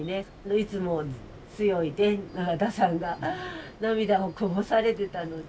いつも強い永田さんが涙をこぼされてたので。